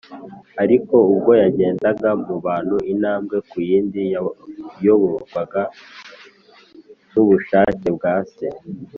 . Ariko ubwo yagendaga mu bantu, intambwe ku yindi, yayoborwaga n’ubushake bwa Se